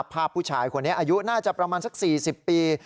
ภาพผู้ชายคนนี้อายุน่าจะประมาณสัก๔๐ปี